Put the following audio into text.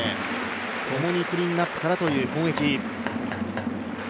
ともにクリーンアップからという攻撃。